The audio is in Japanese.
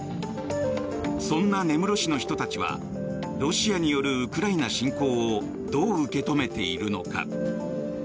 そんな根室市の人たちはロシアによるウクライナ侵攻をどう受け止めているのか。